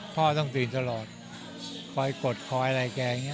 พ่อต้องตื่นตลอดคอยกดคอยอะไรแกอย่างนี้